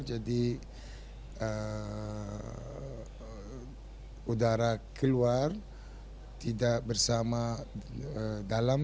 jadi udara keluar tidak bersama dalam